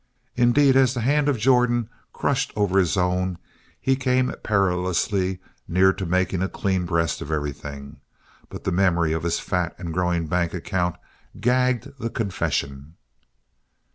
Indeed, as the hand of Jordan crushed over his own he came perilously near to making a clean breast of everything, but the memory of his fat and growing bank account gagged the confession.